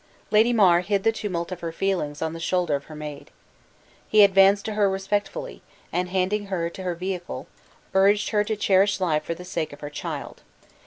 Lady Mar hid the tumult of her feelings on the shoulder of her maid. He advanced to her respectfully, and handing her to her vehicle, urged her to cherish life for the sake of her child.